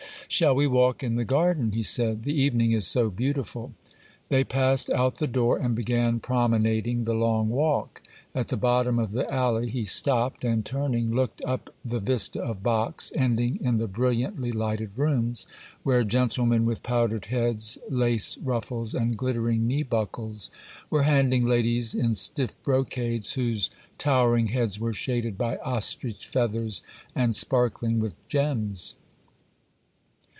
'Shall we walk in the garden?' he said; 'the evening is so beautiful.' They passed out the door, and began promenading the long walk. At the bottom of the alley he stopped, and, turning, looked up the vista of box, ending in the brilliantly lighted rooms, where gentlemen with powdered heads, lace ruffles, and glittering knee buckles were handing ladies in stiff brocades, whose towering heads were shaded by ostrich feathers and sparkling with gems.